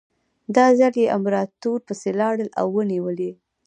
دا ځل یې امپراتور پسې لاړل او ونیو یې.